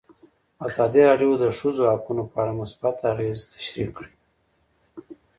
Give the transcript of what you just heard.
ازادي راډیو د د ښځو حقونه په اړه مثبت اغېزې تشریح کړي.